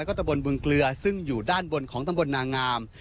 ก็ตะบนบึงเกลือซึ่งอยู่ด้านบนของตำบลนางาม